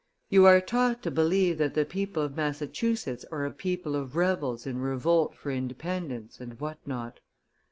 "You are taught to believe that the people of Massachusetts are a people of rebels in revolt for independence, and what not.